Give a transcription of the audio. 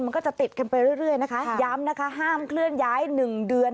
มันก็จะติดกันไปเรื่อยนะคะย้ำนะคะห้ามเคลื่อนย้ายหนึ่งเดือน